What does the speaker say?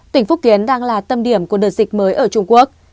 tỉnh phúc kiến đang là tâm điểm của đợt dịch mới ở trung quốc